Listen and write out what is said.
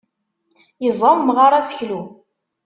Yeẓẓa umɣar aseklu.